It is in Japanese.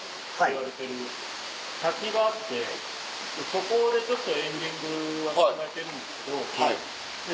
そこでちょっとエンディングは考えてるんですけど。